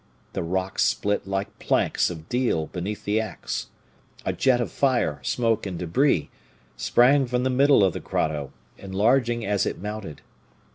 The rocks split like planks of deal beneath the axe. A jet of fire, smoke, and debris sprang from the middle of the grotto, enlarging as it mounted.